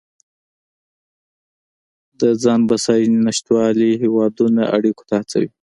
د ځان بسیاینې نشتوالی هیوادونه اړیکو ته هڅوي